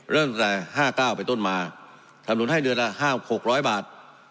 ตั้งแต่๕๙ไปต้นมาทำนุนให้เดือนละ๕๖๐๐บาท